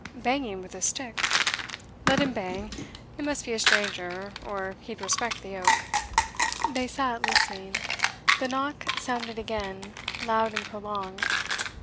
Banging with a stick. Let him bang. It must be a stranger, or he'd respect the oak.' They sat listening. The knock sounded again, loud and prolonged.